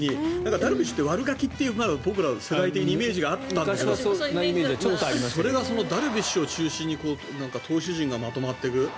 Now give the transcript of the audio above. ダルビッシュって悪ガキという僕ら、世代的にイメージがあったけどそれがダルビッシュを中心に投手陣がまとまっていく。